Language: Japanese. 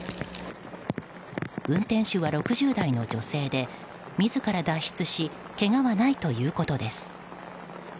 運転手は６０代の女性で自ら脱出しけがはないということです。